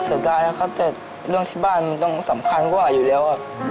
เสียดายนะครับแต่เรื่องที่บ้านต้องสำคัญกว่าอยู่แล้ว